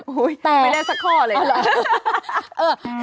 อุ๊ยมันได้สักข้อเลย